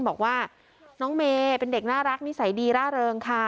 บอกว่าน้องเมย์เป็นเด็กน่ารักนิสัยดีร่าเริงค่ะ